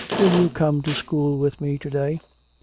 "Will you come to school with me to day?